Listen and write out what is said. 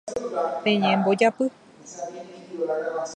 Peñembojápy.